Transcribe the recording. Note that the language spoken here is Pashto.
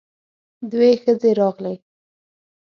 دوې ښځې راغلې.